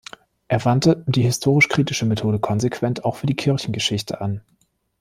Er wandte die historisch-kritische Methode konsequent auch für die Kirchengeschichte an.